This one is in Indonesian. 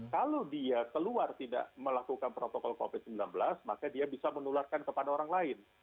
kalau dia keluar tidak melakukan protokol covid sembilan belas maka dia bisa menularkan kepada orang lain